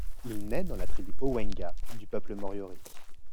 Il naît dans la tribu Owenga du peuple moriori.